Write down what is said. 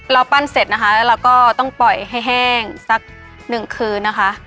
ปั้นเสร็จนะคะแล้วเราก็ต้องปล่อยให้แห้งสักหนึ่งคืนนะคะ